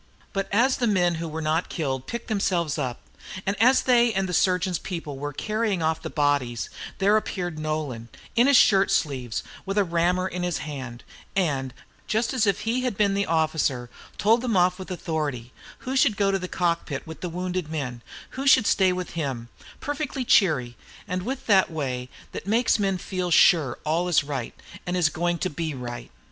But, as the men who were not killed picked themselves up, and as they and the surgeon's people were carrying off the bodies, there appeared Nolan, in his shirt sleeves, with the rammer in his hand, and, just as if he had been the officer, told them off with authority, who should go to the cock pit with the wounded men, who should stay with him, perfectly cheery, and with that way which makes men feel sure all is right and is going to be right.